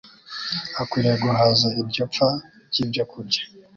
akwiriye guhaza iryo pfa ry’ibyokurya,